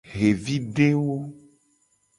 Xevidewo.